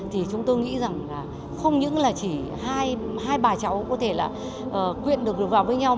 thì chúng tôi nghĩ rằng là không những là chỉ hai bà cháu có thể là quyện được vào với nhau